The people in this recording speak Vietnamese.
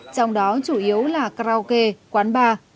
trong đó chủ yếu là karaoke quán bar